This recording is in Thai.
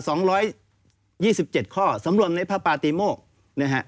สองร้อยยี่สิบเจ็ดข้อสำรวมในพระปาติโมกนะฮะ